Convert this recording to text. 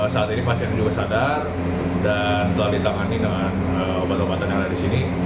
saat ini pasien juga sadar dan telah ditangani dengan obat obatan yang ada di sini